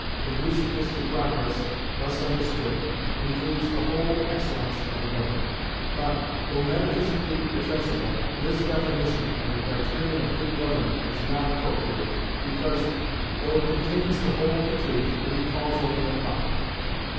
Conduciveness to Progress, thus understood, includes the whole excellence of a government. But, though metaphysically defensible, this definition of the criterion of good government is not appropriate, because, though it contains the whole of the truth, it recalls only a part.